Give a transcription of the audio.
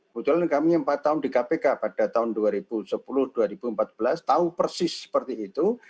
kebetulan kami empat tahun di kpk pada tahun dua ribu sepuluh dua ribu empat belas tahu persis seperti itu